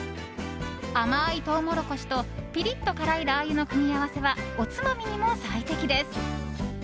甘いトウモロコシとピリッと辛いラー油の組み合わせはおつまみにも最適です。